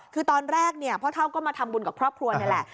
คือตอนแรกเนี่ยพ่อเท่าก็มาทำบุญกับครอบครัวนี่แหละ